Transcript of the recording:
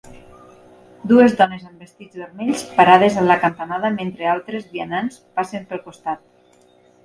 Dues dones amb vestits vermells parades a la cantonada mentre altres vianants passen pel costat.